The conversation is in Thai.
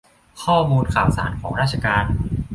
ข้อมูลข่าวสารของราชการ